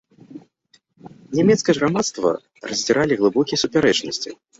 Нямецкае ж грамадства раздзіралі глыбокія супярэчнасці.